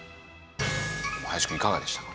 林くんいかがでしたか？